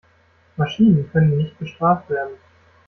Maschinen können nicht bestraft werden.